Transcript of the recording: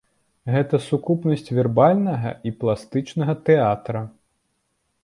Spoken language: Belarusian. Гэта сукупнасць вербальнага і пластычнага тэатра.